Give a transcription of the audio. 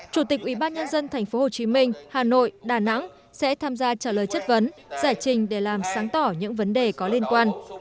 chủ tịch ủy ban nhân dân tp hcm hà nội đà nẵng sẽ tham gia trả lời chất vấn giải trình để làm sáng tỏ những vấn đề có liên quan